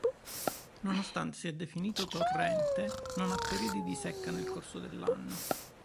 Nonostante sia definito torrente non ha periodi di secca nel corso dell'anno.